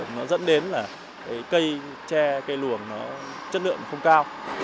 nó dẫn đến là cây tre cây luồng chất lượng không cao